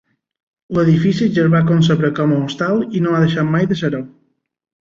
L’edifici ja es va concebre com a Hostal i no ha deixat mai de ser-ho.